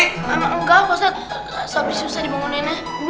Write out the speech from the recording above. engga sobri susah dibanguninnya